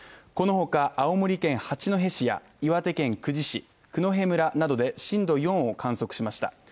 この他、青森県八戸市や岩手県久慈市九戸村などで震度４を観測しました。